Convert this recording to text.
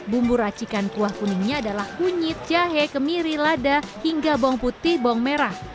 bumbu racikan kuah kuningnya adalah kunyit jahe kemiri lada hingga bawang putih bawang merah